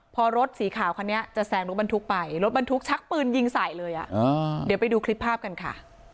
พอรถสีขาวคันนี้จะแซงรถบรรทุกไปรถบรรทุกชักปืนยิงใส่เลยอ่ะเดี๋ยวไปดูคลิปภาพกันค่ะ